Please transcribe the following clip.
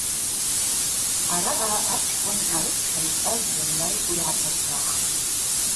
Араъа ачкӏвын арыцхӏа йхӏваз зынла йгвы йгӏаташвахтӏ.